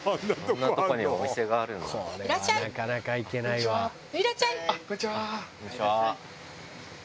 こんにちは。